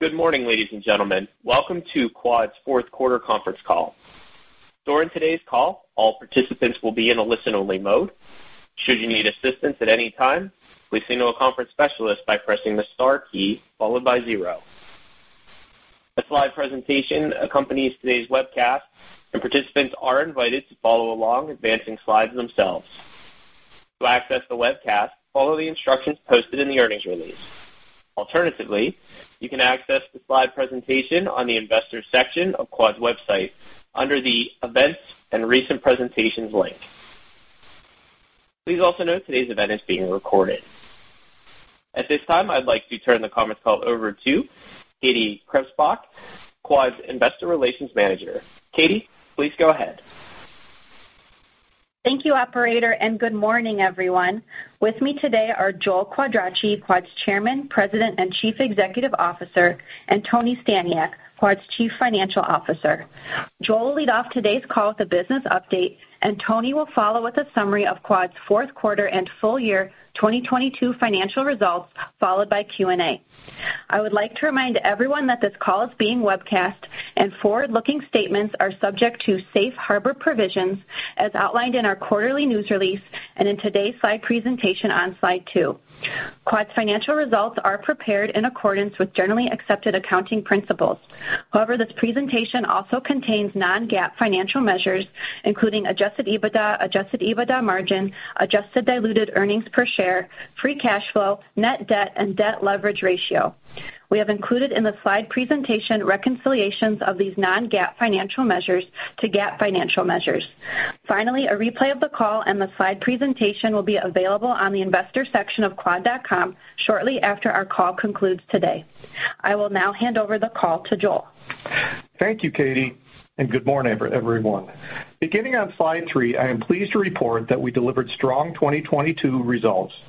Good morning, ladies and gentlemen. Welcome to Quad's fourth quarter conference call. During today's call all participants will be in a listen-only mode. Should you need assistance at any time, please signal a conference specialist by pressing the star key followed by zero. A slide presentation accompanies today's webcast, and participants are invited to follow along advancing slides themselves. To access the webcast, follow the instructions posted in the earnings release. Alternatively, you can access the slide presentation on the investor section of Quad's website under the Events and Recent Presentations link. Please also note today's event is being recorded. At this time I'd like to turn the conference call over to Katie Krebsbach, Quad's Investor Relations Manager. Katie, please go ahead. Thank you operator, and good morning, everyone. With me today are Joel Quadracci, Quad's Chairman, President, and Chief Executive Officer, and Anthony Staniak, Quad's Chief Financial Officer. Joel will lead off today's call with a business update, and Tony will follow with a summary of Quad's fourth quarter and full year 2022 financial results, followed by Q&A. I would like to remind everyone that this call is being webcast and forward-looking statements are subject to Safe Harbor provisions as outlined in our quarterly news release and in today's slide presentation on slide two. Quad's financial results are prepared in accordance with generally accepted accounting principles. This presentation also contains non-GAAP financial measures, including adjusted EBITDA, adjusted EBITDA margin adjusted diluted earnings per share, free cash flow, net debt, and debt leverage ratio. We have included in the slide presentation reconciliations of these non-GAAP financial measures to GAAP financial measures. A replay of the call and the slide presentation will be available on the investor section of quad.com shortly after our call concludes today. I will now hand over the call to Joel. Thank you, Katie Krebsbach, and good morning, everyone. Beginning on slide three I am pleased to report that we delivered strong 2022 results,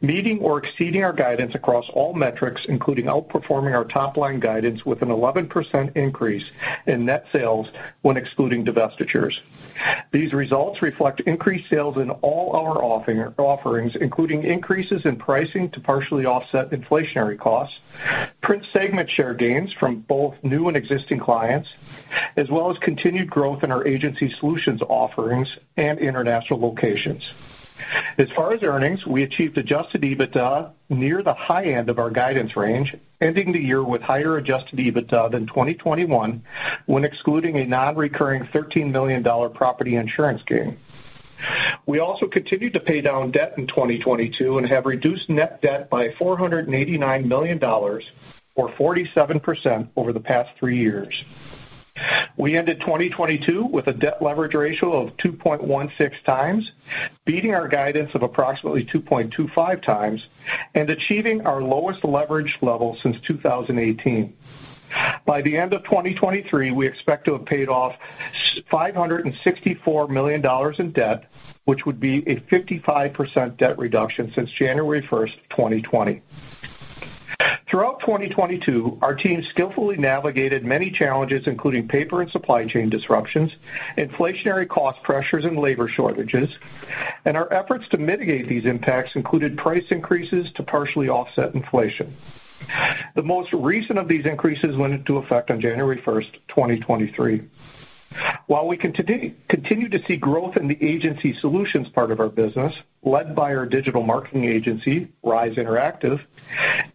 meeting or exceeding our guidance across all metrics, including outperforming our top-line guidance with an 11% increase in net sales when excluding divestitures. These results reflect increased sales in all our offerings, including increases in pricing to partially offset inflationary costs, print segment share gains from both new and existing clients, as well as continued growth in our agency solutions offerings and international locations. As far as earnings, we achieved Adjusted EBITDA near the high end of our guidance range, ending the year with higher Adjusted EBITDA than 2021, when excluding a non-recurring $13 million property insurance gain. We also continued to pay down debt in 2022 and have reduced net debt by $489 million or 47% over the past three years. We ended 2022 with a debt leverage ratio of 2.16x, beating our guidance of approximately 2.25x and achieving our lowest leverage level since 2018. By the end of 2023, we expect to have paid off $564 million in debt, which would be a 55% debt reduction since January 1st, 2020. Throughout 2022, our team skillfully navigated many challenges, including paper and supply chain disruptions, inflationary cost pressures and labor shortages. Our efforts to mitigate these impacts included price increases to partially offset inflation. The most recent of these increases went into effect on January 1st, 2023. While we continue to see growth in the agency solutions part of our business, led by our digital marketing agency, Rise Interactive,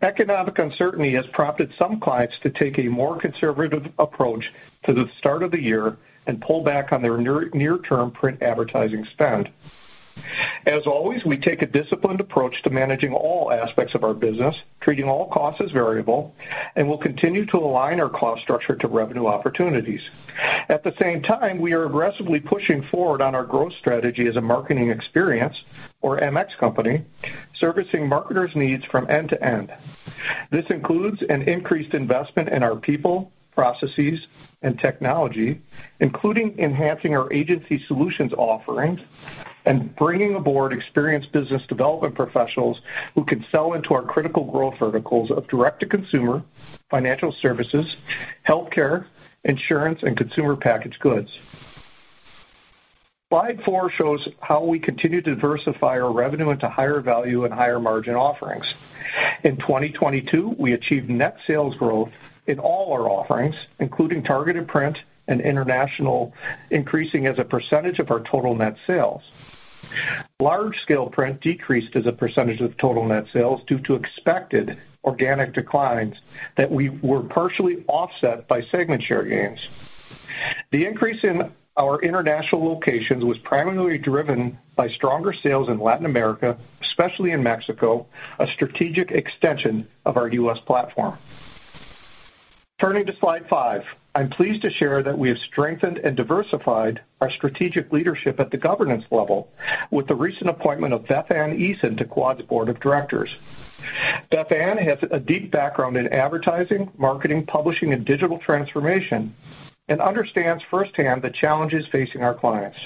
economic uncertainty has prompted some clients to take a more conservative approach to the start of the year and pull back on their near-term print advertising spend. As always, we take a disciplined approach to managing all aspects of our business, treating all costs as variable, and we'll continue to align our cost structure to revenue opportunities. At the same time, we are aggressively pushing forward on our growth strategy as a marketing experience or MX company, servicing marketers' needs from end to end. This includes an increased investment in our people, processes, and technology, including enhancing our agency solutions offerings and bringing aboard experienced business development professionals who can sell into our critical growth verticals of direct-to-consumer financial services, healthcare, insurance, and consumer packaged goods. Slide four shows how we continue to diversify our revenue into higher value and higher margin offerings. In 2022, we achieved net sales growth in all our offerings, including targeted print and international, increasing as a percentage of our total net sales. Large-scale print decreased as a percentage of total net sales due to expected organic declines that were partially offset by segment share gains. The increase in our international locations was primarily driven by stronger sales in Latin America, especially in Mexico, a strategic extension of our U.S. platform. Turning to slide five, I'm pleased to share that we have strengthened and diversified our strategic leadership at the governance level with the recent appointment of Beth-Anne Eason to Quad's board of directors. Beth-Anne has a deep background in advertising, marketing, publishing, and digital transformation, understands firsthand the challenges facing our clients.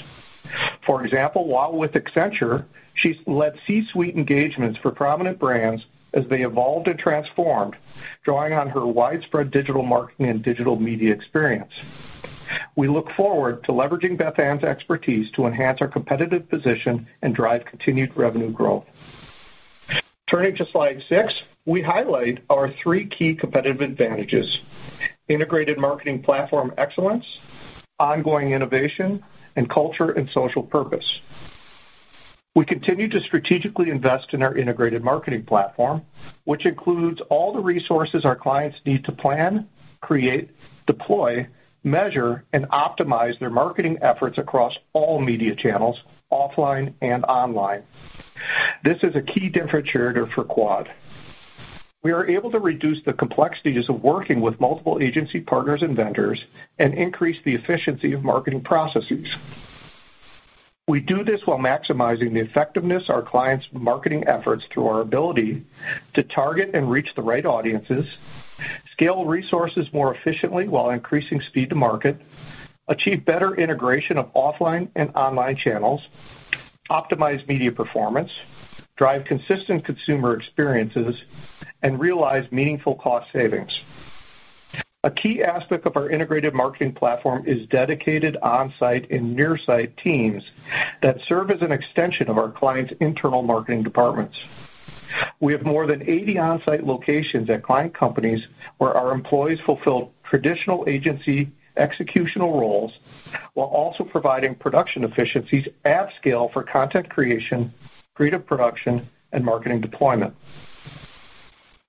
For example, while with Accenture, she's led C-suite engagements for prominent brands as they evolved and transformed, drawing on her widespread digital marketing and digital media experience. We look forward to leveraging Beth-Anne's expertise to enhance our competitive position and drive continued revenue growth. Turning to slide six we highlight our three key competitive advantages: integrated marketing platform excellence, ongoing innovation, and culture and social purpose. We continue to strategically invest in our integrated marketing platform, which includes all the resources our clients need to plan, create, deploy, measure, and optimize their marketing efforts across all media channels, offline and online. This is a key differentiator for Quad. We are able to reduce the complexities of working with multiple agency partners and vendors and increase the efficiency of marketing processes. We do this while maximizing the effectiveness of our clients' marketing efforts through our ability to target and reach the right audiences, scale resources more efficiently while increasing speed to market, achieve better integration of offline and online channels, optimize media performance, drive consistent consumer experiences, and realize meaningful cost savings. A key aspect of our integrated marketing platform is dedicated on-site and near-site teams that serve as an extension of our clients' internal marketing departments. We have more than 80 on-site locations at client companies where our employees fulfill traditional agency executional roles while also providing production efficiencies at scale for content creation, creative production, and marketing deployment.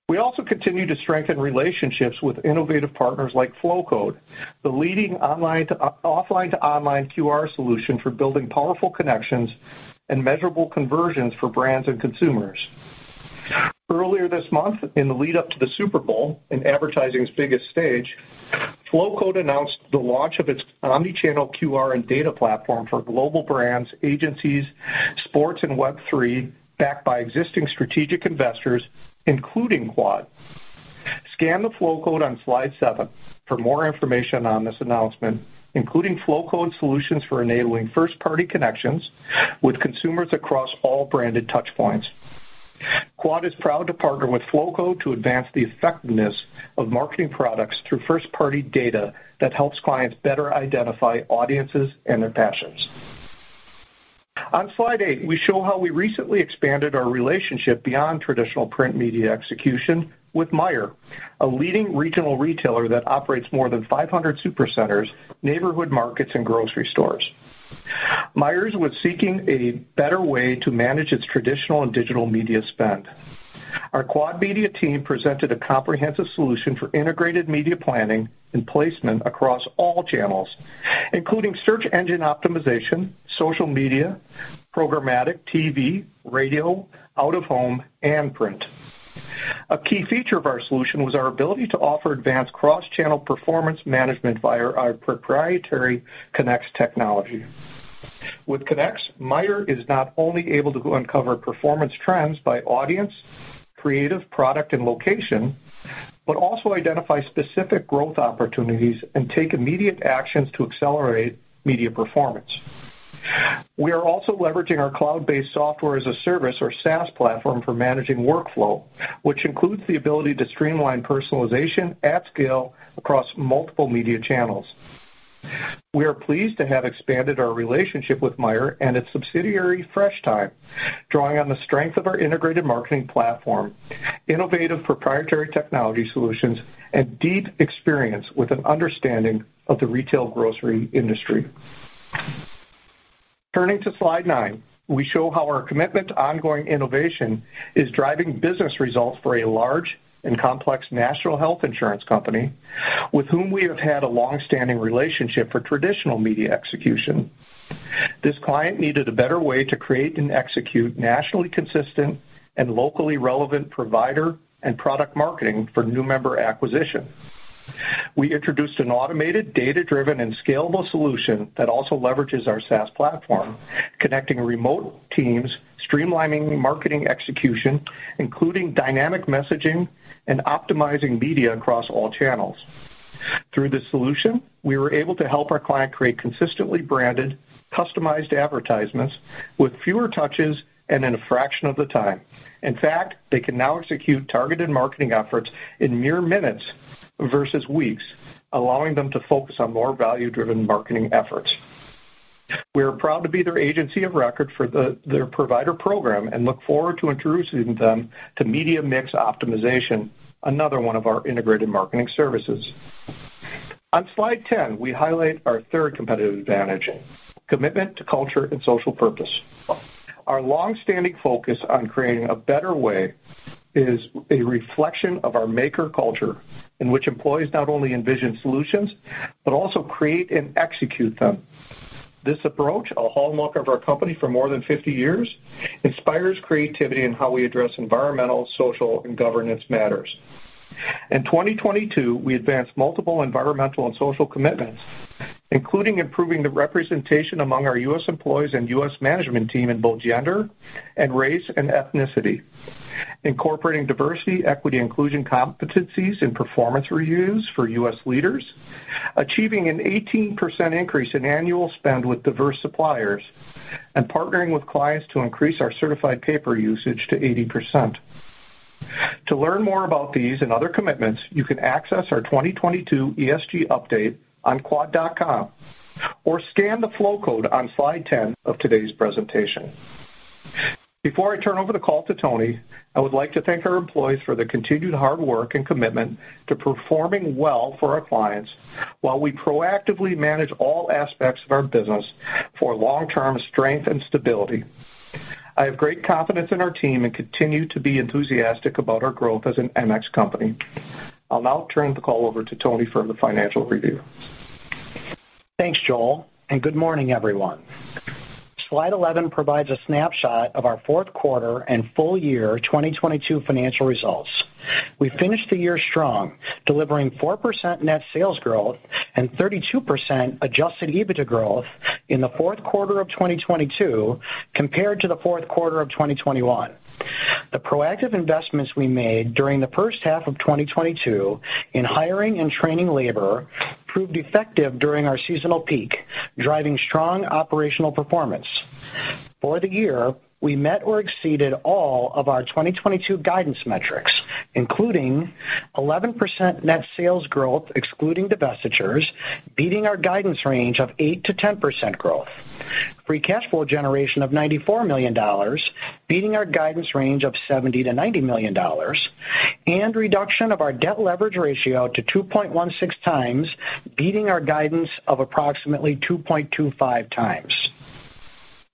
We also continue to strengthen relationships with innovative partners like Flowcode, the leading offline-to-online QR solution for building powerful connections and measurable conversions for brands and consumers. Earlier this month, in the lead-up to the Super Bowl, in advertising's biggest stage, Flowcode announced the launch of its omni-channel QR and data platform for global brands, agencies, sports, and Web3 backed by existing strategic investors, including Quad. Scan the Flowcode on slide seven for more information on this announcement, including Flowcode solutions for enabling first-party connections with consumers across all branded touch points. Quad is proud to partner with Flowcode to advance the effectiveness of marketing products through first-party data that helps clients better identify audiences and their passions. On slide eight we show how we recently expanded our relationship beyond traditional print media execution with Meijer, a leading regional retailer that operates more than 500 super centers, neighborhood markets, and grocery stores. Meijer was seeking a better way to manage its traditional and digital media spend. Our Quad Media team presented a comprehensive solution for integrated media planning and placement across all channels, including search engine optimization, social media, programmatic TV, radio, out-of-home, and print. A key feature of our solution was our ability to offer advanced cross-channel performance management via our proprietary Connex technology. With Connex, Meijer is not only able to uncover performance trends by audience, creative product, and location, but also identify specific growth opportunities and take immediate actions to accelerate media performance. We are also leveraging our cloud-based Software as a Service or SaaS platform for managing workflow which includes the ability to streamline personalization at scale across multiple media channels. We are pleased to have expanded our relationship with Meijer and its subsidiary, Fresh Thyme, drawing on the strength of our integrated marketing platform, innovative proprietary technology solutions, and deep experience with an understanding of the retail grocery industry. Turning to slide nine we show how our commitment to ongoing innovation is driving business results for a large and complex national health insurance company with whom we have had a long-standing relationship for traditional media execution. This client needed a better way to create and execute nationally consistent and locally relevant provider and product marketing for new member acquisition. We introduced an automated, data-driven, and scalable solution that also leverages our SaaS platform, connecting remote teams, streamlining marketing execution, including dynamic messaging and optimizing media across all channels. Through this solution we were able to help our client create consistently branded, customized advertisements with fewer touches and in a fraction of the time. In fact, they can now execute targeted marketing efforts in mere minutes versus weeks, allowing them to focus on more value-driven marketing efforts. We are proud to be their agency of record for their provider program and look forward to introducing them to media mix optimization, another one of our integrated marketing services. On slide 10, we highlight our third competitive advantage, commitment to culture and social purpose. Our long-standing focus on creating a better way is a reflection of our maker culture in which employees not only envision solutions but also create and execute them. This approach, a hallmark of our company for more than 50 years, inspires creativity in how we address environmental, social, and governance matters. In 2022, we advanced multiple environmental and social commitments, including improving the representation among our U.S. employees and U.S. management team in both gender and race and ethnicity, incorporating diversity, equity, inclusion competencies in performance reviews for U.S. leaders, achieving an 18% increase in annual spend with diverse suppliers, and partnering with clients to increase our certified paper usage to 80%. To learn more about these and other commitments, you can access our 2022 ESG update on quad.com or scan the Flowcode on slide 10 of today's presentation. Before I turn over the call to Tony I would like to thank our employees for their continued hard work and commitment to performing well for our clients while we proactively manage all aspects of our business for long-term strength and stability. I have great confidence in our team and continue to be enthusiastic about our growth as an MX company. I'll now turn the call over to Tony for the financial review. Thanks, Joel. Good morning, everyone. Slide 11 provides a snapshot of our fourth quarter and full year 2022 financial results. We finished the year strong, delivering 4% Net Sales Growth and 32% Adjusted EBITDA Growth in the fourth quarter of 2022 compared to the fourth quarter of 2021. The proactive investments we made during the first half of 2022 in hiring and training labor proved effective during our seasonal peak, driving strong operational performance. For the year we met or exceeded all of our 2022 guidance metrics, including 11% Net Sales Growth excluding divestitures, beating our guidance range of 8%-10% growth. Free Cash Flow generation of $94 million, beating our guidance range of $70 million-$90 million. Reduction of our Debt Leverage Ratio to 2.16x, beating our guidance of approximately 2.25x.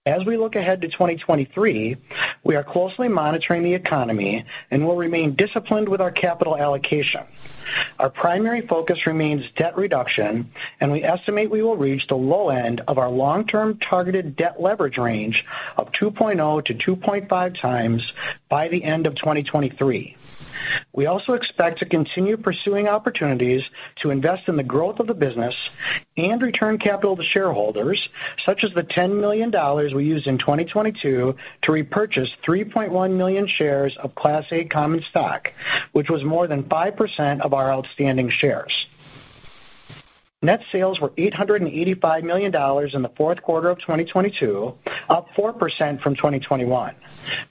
As we look ahead to 2023, we are closely monitoring the economy and will remain disciplined with our capital allocation. Our primary focus remains debt reduction, and we estimate we will reach the low end of our long-term targeted debt leverage range of 2.0x-2.5x by the end of 2023. We also expect to continue pursuing opportunities to invest in the growth of the business and return capital to shareholders, such as the $10 million we used in 2022 to repurchase 3.1 million shares of Class A common stock which was more than 5% of our outstanding shares. Net sales were $885 million in the fourth quarter of 2022, up 4% from 2021.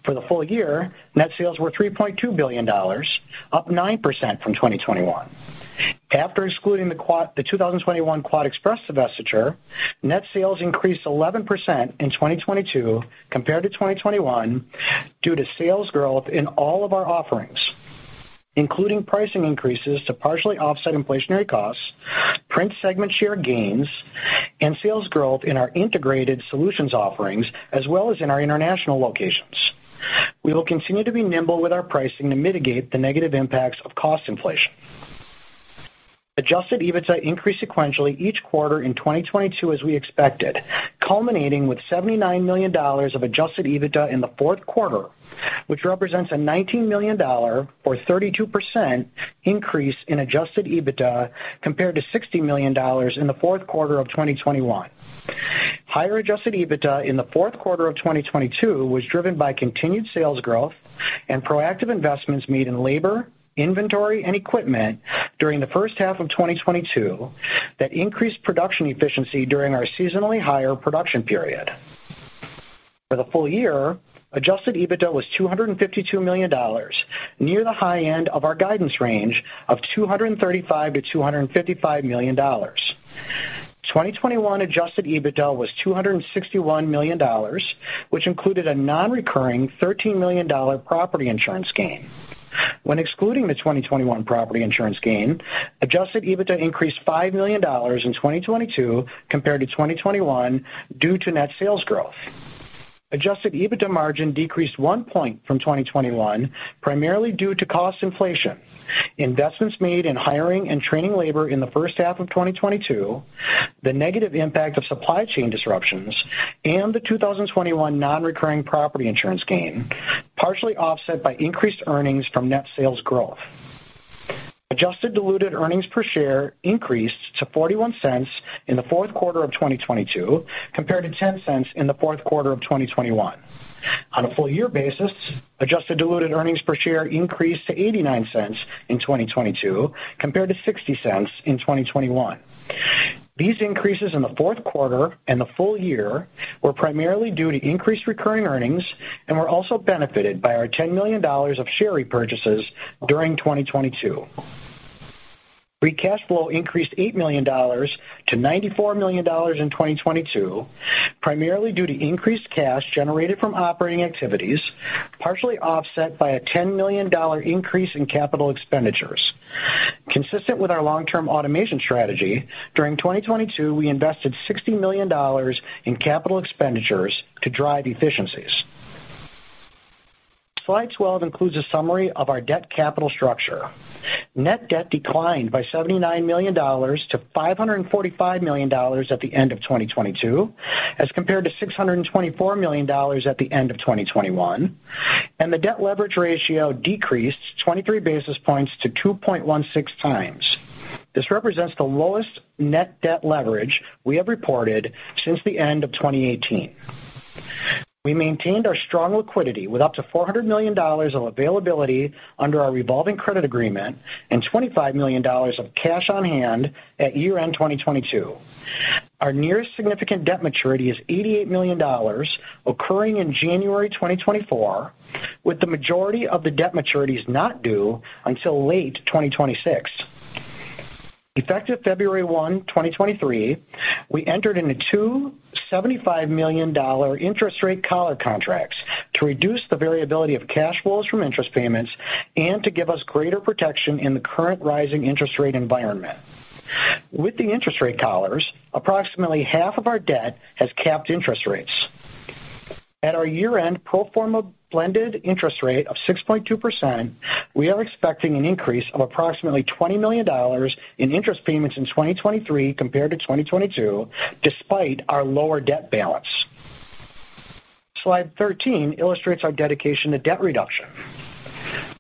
For the full year, net sales were $3.2 billion, up 9% from 2021. After excluding the Quad, the 2021 Quad Express divestiture, net sales increased 11% in 2022 compared to 2021 due to sales growth in all of our offerings, including pricing increases to partially offset inflationary costs, print segment share gains, and sales growth in our integrated solutions offerings as well as in our international locations. We will continue to be nimble with our pricing to mitigate the negative impacts of cost inflation. Adjusted EBITDA increased sequentially each quarter in 2022 as we expected, culminating with $79 million of Adjusted EBITDA in the fourth quarter which represents a $19 million or 32% increase in Adjusted EBITDA compared to $60 million in the fourth quarter of 2021. Higher Adjusted EBITDA in the fourth quarter of 2022 was driven by continued sales growth and proactive investments made in labor, inventory, and equipment during the first half of 2022 that increased production efficiency during our seasonally higher production period. For the full year, Adjusted EBITDA was $252 million, near the high end of our guidance range of $235 million-$255 million. 2021 Adjusted EBITDA was $261 million which included a non-recurring $13 million property insurance gain. When excluding the 2021 property insurance gain, Adjusted EBITDA increased $5 million in 2022 compared to 2021 due to net sales growth. Adjusted EBITDA Margin decreased 1 point from 2021, primarily due to cost inflation, investments made in hiring and training labor in the first half of 2022, the negative impact of supply chain disruptions, and the 2021 non-recurring property insurance gain, partially offset by increased earnings from net sales growth. Adjusted Diluted Earnings Per Share increased to $0.41 in the fourth quarter of 2022, compared to $0.10 in the fourth quarter of 2021. On a full year basis, Adjusted Diluted Earnings Per Share increased to $0.89 in 2022 compared to $0.60 in 2021. These increases in the fourth quarter and the full year were primarily due to increased recurring earnings and were also benefited by our $10 million of share repurchases during 2022. Free Cash Flow increased $8 million to $94 million in 2022 primarily due to increased cash generated from operating activities, partially offset by a $10 million increase in capital expenditures. Consistent with our long-term automation strategy, during 2022, we invested $60 million in capital expenditures to drive efficiencies. Slide 12 includes a summary of our debt capital structure. Net Debt declined by $79 million to $545 million at the end of 2022, as compared to $624 million at the end of 2021, and the debt leverage ratio decreased 23 basis points to 2.16x. This represents the lowest Net Debt Leverage we have reported since the end of 2018. We maintained our strong liquidity with up to $400 million of availability under our revolving credit agreement and $25 million of cash on hand at year-end 2022. Our nearest significant debt maturity is $88 million occurring in January 2024, with the majority of the debt maturities not due until late 2026. Effective February 1, 2023, we entered into two $75 million interest rate collar contracts to reduce the variability of cash flows from interest payments and to give us greater protection in the current rising interest rate environment. With the interest rate collars approximately half of our debt has capped interest rates. At our year-end pro forma blended interest rate of 6.2%, we are expecting an increase of approximately $20 million in interest payments in 2023 compared to 2022, despite our lower debt balance. Slide 13 illustrates our dedication to debt reduction.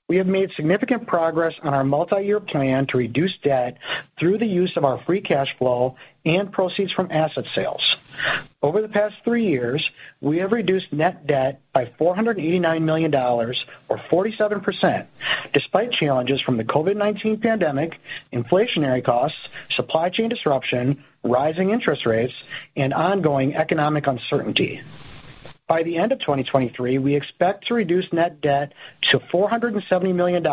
We have made significant progress on our multi-year plan to reduce debt through the use of our Free Cash Flow and proceeds from asset sales. Over the past three years, we have reduced Net Debt by $489 million or 47%, despite challenges from the COVID-19 pandemic, inflationary costs, supply chain disruption, rising interest rates, and ongoing economic uncertainty. By the end of 2023 we expect to reduce Net Debt to $470 million,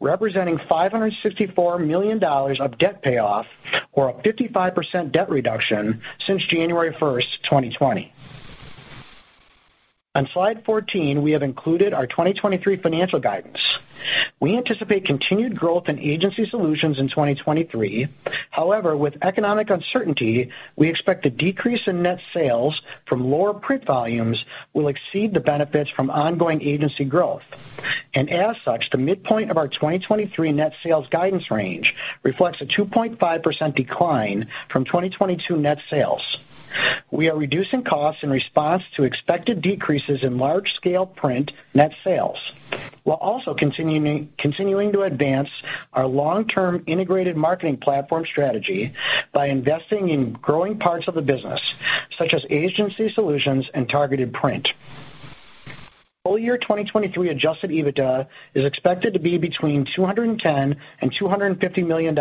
representing $564 million of debt payoff or a 55% debt reduction since January 1st, 2020. On slide 14, we have included our 2023 financial guidance. We anticipate continued growth in agency solutions in 2023. However, with economic uncertainty, we expect a decrease in net sales from lower print volumes will exceed the benefits from ongoing agency growth. As such the midpoint of our 2023 net sales guidance range reflects a 2.5% decline from 2022 net sales. We are reducing costs in response to expected decreases in large-scale print net sales, while also continuing to advance our long-term integrated marketing platform strategy by investing in growing parts of the business such as agency solutions and targeted print. Full year 2023 Adjusted EBITDA is expected to be between $210 million and $250 million,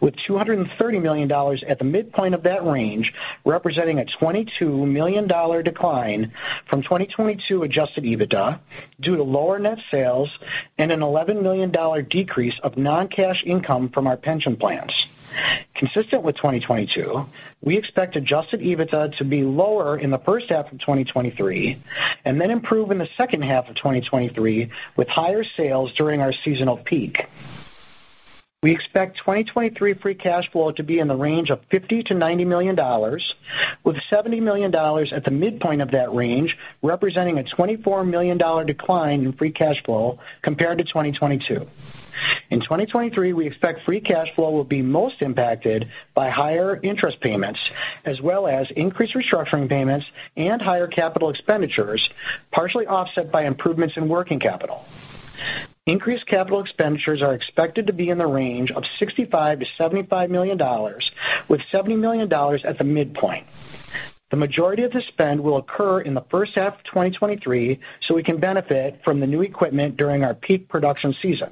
with $230 million at the midpoint of that range, representing a $22 million decline from 2022 Adjusted EBITDA due to lower net sales and an $11 million decrease of non-cash income from our pension plans. Consistent with 2022, we expect Adjusted EBITDA to be lower in the first half of 2023 and then improve in the second half of 2023 with higher sales during our seasonal peak. We expect 2023 Free Cash Flow to be in the range of $50 million-$90 million, with $70 million at the midpoint of that range, representing a $24 million decline in Free Cash Flow compared to 2022. In 2023 we expect Free Cash Flow will be most impacted by higher interest payments as well as increased restructuring payments and higher capital expenditures, partially offset by improvements in working capital. Increased capital expenditures are expected to be in the range of $65 million-$75 million, with $70 million at the midpoint. The majority of the spend will occur in the first half of 2023, so we can benefit from the new equipment during our peak production season.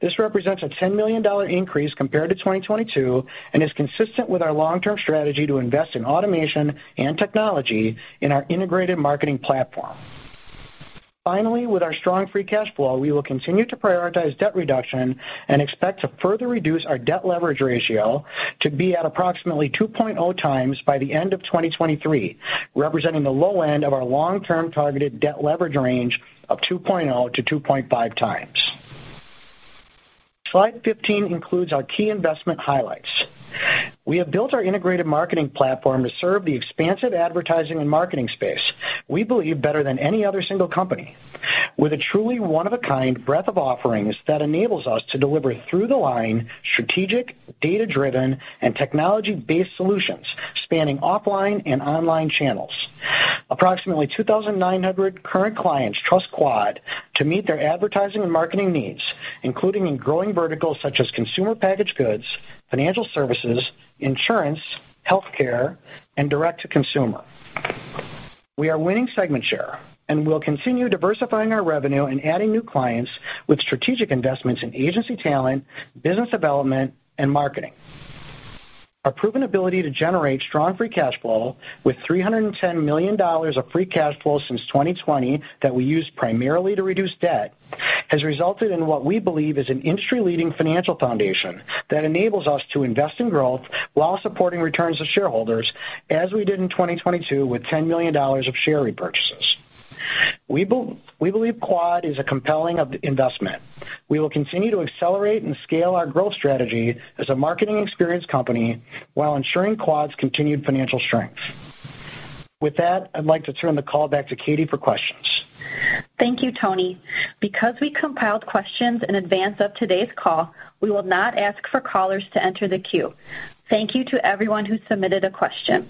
This represents a $10 million increase compared to 2022 and is consistent with our long-term strategy to invest in automation and technology in our integrated marketing platform. Finally, with our strong Free Cash Flow, we will continue to prioritize debt reduction and expect to further reduce our Debt Leverage Ratio to be at approximately 2.0x by the end of 2023, representing the low end of our long-term targeted debt leverage range of 2.0x-2.5x. Slide 15 includes our key investment highlights. We have built our integrated marketing platform to serve the expansive advertising and marketing space, we believe, better than any other single company. With a truly one-of-a-kind breadth of offerings that enables us to deliver through-the-line strategic, data-driven, and technology-based solutions spanning offline and online channels. Approximately 2,900 current clients trust Quad to meet their advertising and marketing needs, including in growing verticals such as consumer packaged goods, financial services, insurance, healthcare, and direct-to-consumer. We are winning segment share and we'll continue diversifying our revenue and adding new clients with strategic investments in agency talent, business development, and marketing. Our proven ability to generate strong Free Cash Flow with $310 million of Free Cash Flow since 2020 that we use primarily to reduce debt, has resulted in what we believe is an industry-leading financial foundation that enables us to invest in growth while supporting returns to shareholders, as we did in 2022 with $10 million of share repurchases. We believe Quad is a compelling investment. We will continue to accelerate and scale our growth strategy as a marketing experience company while ensuring Quad's continued financial strength. With that, I'd like to turn the call back to Katie Krebsbach for questions. Thank you, Tony. Because we compiled questions in advance of today's call we will not ask for callers to enter the queue. Thank you to everyone who submitted a question.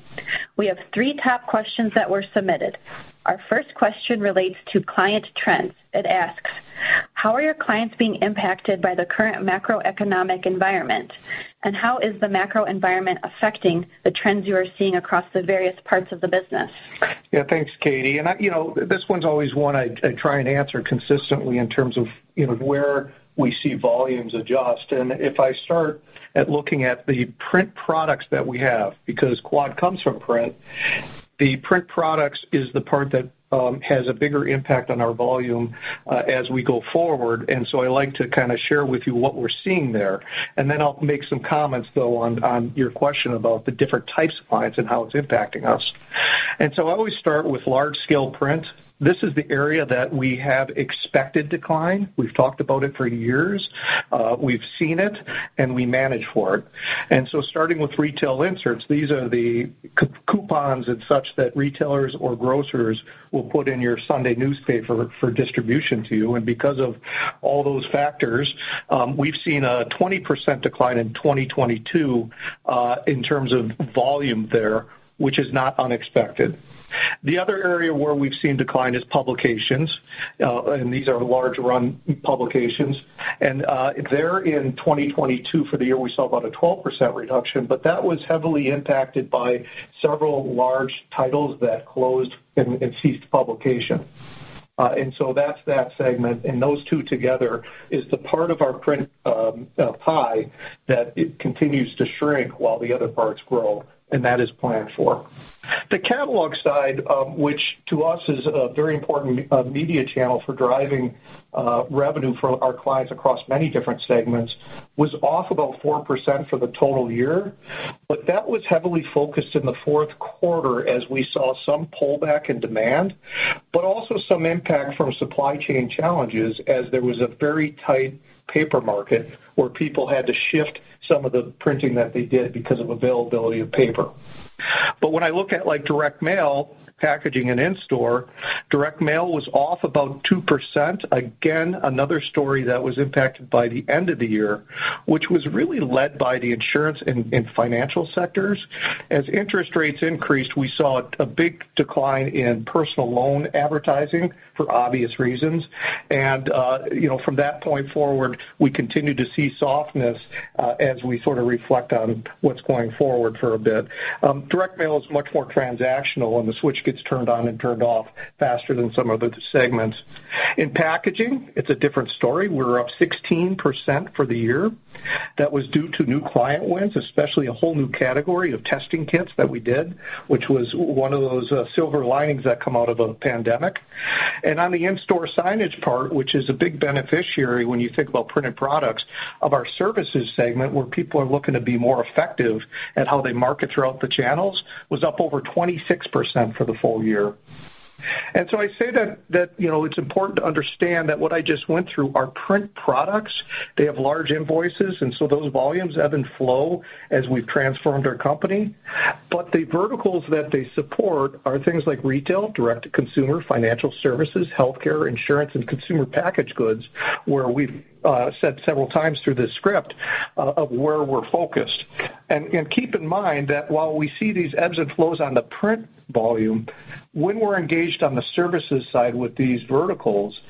We have three top questions that were submitted. Our first question relates to client trends. It asks, "How are your clients being impacted by the current macroeconomic environment, and how is the macro environment affecting the trends you are seeing across the various parts of the business? Yeah. Thanks, Katie. You know, this one's always one I try and answer consistently in terms of, you know, where we see volumes adjust. If I start at looking at the print products that we have, because Quad comes from print. The print products is the part that has a bigger impact on our volume as we go forward. I like to kinda share with you what we're seeing there, then I'll make some comments, though, on your question about the different types of clients and how it's impacting us. I always start with large-scale print. This is the area that we have expected decline. We've talked about it for years. We've seen it, and we manage for it. Starting with retail inserts, these are the c-coupons and such that retailers or grocers will put in your Sunday newspaper for distribution to you. Because of all those factors, we've seen a 20% decline in 2022 in terms of volume there, which is not unexpected. The other area where we've seen decline is publications. These are large run publications. There in 2022 for the year, we saw about a 12% reduction but that was heavily impacted by several large titles that closed and ceased publication. That's that segment. Those two together is the part of our print pie that it continues to shrink while the other parts grow, and that is planned for. The catalog side, which to us is a very important media channel for driving revenue for our clients across many different segments, was off about 4% for the total year. That was heavily focused in the fourth quarter as we saw some pullback in demand, but also some impact from supply chain challenges as there was a very tight paper market where people had to shift some of the printing that they did because of availability of paper. When I look at like direct mail, packaging and in-store, direct mail was off about 2%. Again, another story that was impacted by the end of the year which was really led by the insurance and financial sectors. As interest rates increased, we saw a big decline in personal loan advertising for obvious reasons. You know, from that point forward, we continued to see softness as we sort of reflect on what's going forward for a bit. Direct mail is much more transactional, and the switch gets turned on and turned off faster than some of the segments. In packaging, it's a different story. We're up 16% for the year. That was due to new client wins, especially a whole new category of testing kits that we did, which was one of those, silver linings that come out of a pandemic. On the in-store signage part which is a big beneficiary when you think about printed products of our services segment, where people are looking to be more effective at how they market throughout the channels, was up over 26% for the full year. I say that, you know, it's important to understand that what I just went through are print products. They have large invoices, and so those volumes ebb and flow as we've transformed our company. The verticals that they support are things like retail, direct-to-consumer, financial services, healthcare, insurance, and consumer packaged goods, where we've said several times through this script of where we're focused. Keep in mind that while we see these ebbs and flows on the print volume, when we're engaged on the services side with these verticals,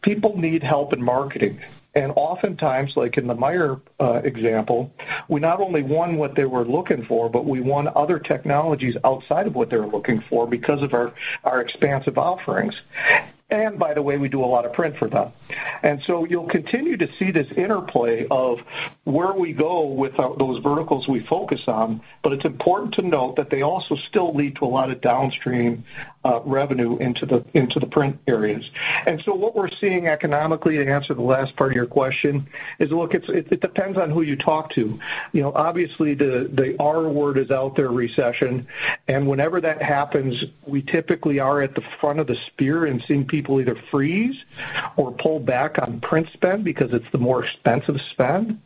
people need help in marketing. Oftentimes, like in the Meijer example we not only won what they were looking for, but we won other technologies outside of what they're looking for because of our expansive offerings. By the way, we do a lot of print for them. You'll continue to see this interplay of where we go with those verticals we focus on but it's important to note that they also still lead to a lot of downstream revenue into the print areas. What we're seeing economically, to answer the last part of your question is, look, it depends on who you talk to. You know, obviously the R-word is out there, recession. Whenever that happens, we typically are at the front of the spear and seeing people either freeze or pull back on print spend because it's the more expensive spend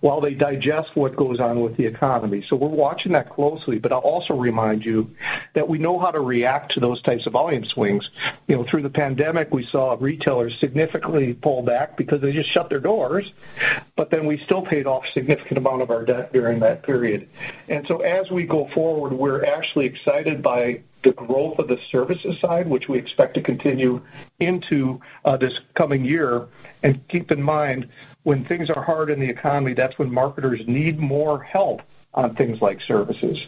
while they digest what goes on with the economy. We're watching that closely, but I'll also remind you that we know how to react to those types of volume swings. You know, through the pandemic, we saw retailers significantly pull back because they just shut their doors, but then we still paid off a significant amount of our debt during that period. As we go forward, we're actually excited by the growth of the services side, which we expect to continue into this coming year. Keep in mind when things are hard in the economy, that's when marketers need more help on things like services.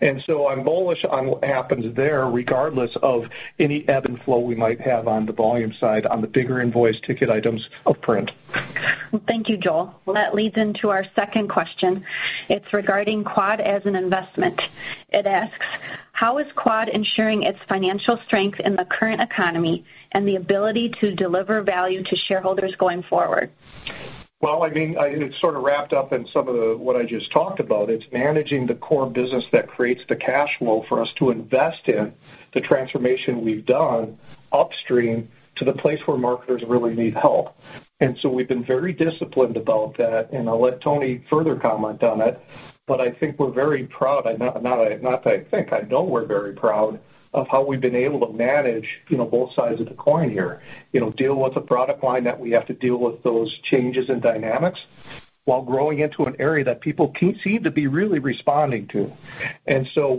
I'm bullish on what happens there regardless of any ebb and flow we might have on the volume side on the bigger invoice ticket items of print. Well, thank you, Joel. Well, that leads into our second question. It's regarding Quad as an investment. It asks: How is Quad ensuring its financial strength in the current economy and the ability to deliver value to shareholders going forward? Well, it's sort of wrapped up in some of the, what I just talked about. It's managing the core business that creates the cash flow for us to invest in the transformation we've done upstream to the place where marketers really need help. We've been very disciplined about that, and I'll let Tony further comment on it. I think we're very proud. Not I think, I know we're very proud of how we've been able to manage, you know, both sides of the coin here. You know, deal with a product line that we have to deal with those changes in dynamics while growing into an area that people can see to be really responding to.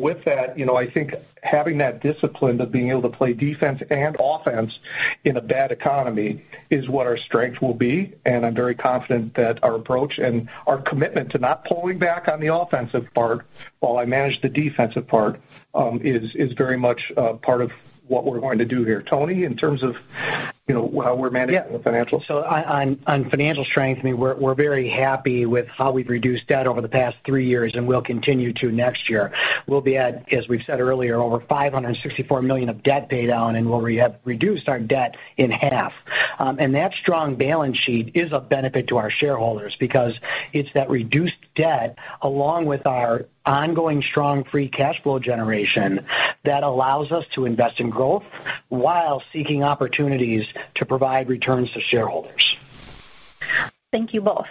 With that, you know, I think having that discipline of being able to play defense and offense in a bad economy is what our strength will be, and I'm very confident that our approach and our commitment to not pulling back on the offensive part while I manage the defensive part, is very much part of what we're going to do here. Tony, in terms of how we're managing the financials. Yeah. On, on financial strength we're very happy with how we've reduced debt over the past three years, and we'll continue to next year. We'll be at, as we've said earlier, over $564 million of debt paid down, and we'll have reduced our debt in half. That strong balance sheet is of benefit to our shareholders because it's that reduced debt along with our ongoing strong Free Cash Flow generation that allows us to invest in growth while seeking opportunities to provide returns to shareholders. Thank you both.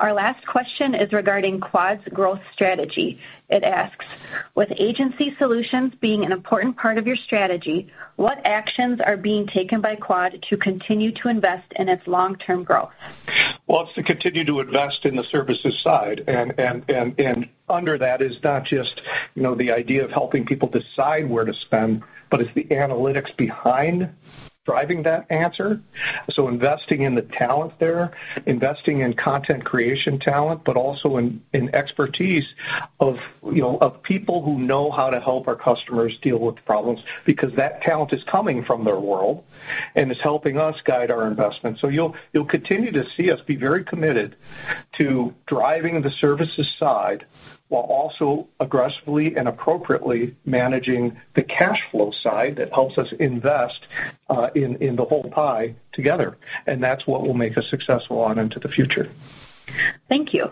Our last question is regarding Quad's growth strategy. It asks, "With agency solutions being an important part of your strategy, what actions are being taken by Quad to continue to invest in its long-term growth? It's to continue to invest in the services side. Under that is not just the idea of helping people decide where to spend, but it's the analytics behind driving that answer. Investing in the talent there, investing in content creation talent, but also in expertise of, you know, of people who know how to help our customers deal with problems. That talent is coming from their world, and it's helping us guide our investments. You'll continue to see us be very committed to driving the services side while also aggressively and appropriately managing the cash flow side that helps us invest in the whole pie together. That's what will make us successful on into the future. Thank you.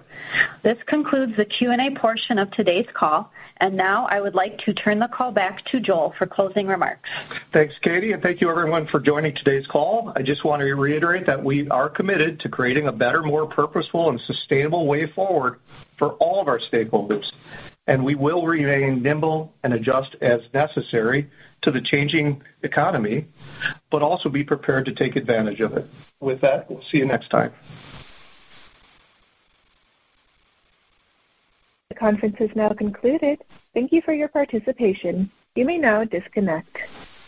This concludes the Q&A portion of today's call. Now I would like to turn the call back to Joel for closing remarks. Thanks, Katie, thank you everyone for joining today's call. I just want to reiterate that we are committed to creating a better, more purposeful and sustainable way forward for all of our stakeholders we will remain nimble and adjust as necessary to the changing economy but also be prepared to take advantage of it. With that, we'll see you next time. The conference is now concluded. Thank you for your participation. You may now disconnect.